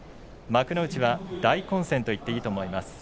幕内は大混戦と言っていいと思います。